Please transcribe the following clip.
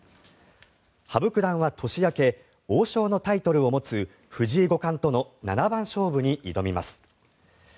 羽生九段は年明け王将のタイトルを持つ藤井五冠との七番勝負に挑みます。